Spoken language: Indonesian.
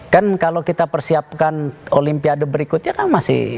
kan kalau kita persiapkan olimpiade berikutnya kan masih